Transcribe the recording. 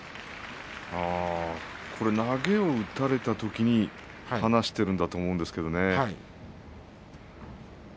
これは投げを打たれたときに離しているんだと思うんですけれどね。